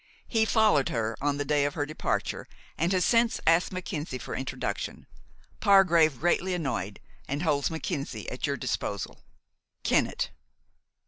He followed her on the day of her departure, and has since asked Mackenzie for introduction. Pargrave greatly annoyed, and holds Mackenzie at your disposal. "KENNETT."